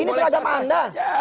ini seragam anda